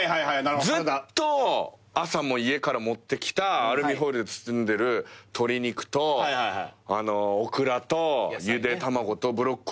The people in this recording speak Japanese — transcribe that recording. ずっと朝も家から持ってきたアルミホイルで包んでる鶏肉とオクラとゆで卵とブロッコリーと。